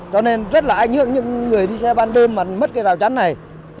cho nên rất là anh ước những người đi xe ban đêm mà mất cây rào chắn này